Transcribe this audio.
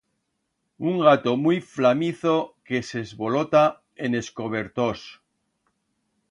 Un gato muit flamizo que s'esvolota en es cobertors.